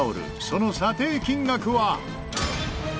その査定金額は。